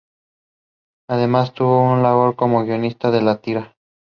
Además, tuvo un labor como guionista de la tira.